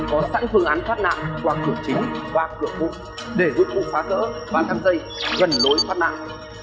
có sẵn phương án thoát nạn qua cửa chính qua cửa phụ để giúp cụ phá cỡ và thang dây gần nối thoát nạn